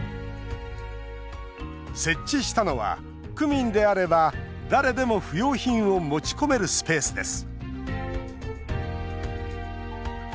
設置したのは、区民であれば誰でも不用品を持ち込めるスペースです